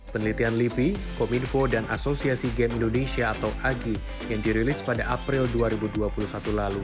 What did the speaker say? penelitian lipi kominfo dan asosiasi game indonesia atau agi yang dirilis pada april dua ribu dua puluh satu lalu